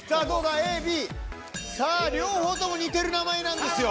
ＡＢさあ両方とも似てる名前なんですよ